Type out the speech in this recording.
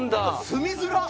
住みづらっ！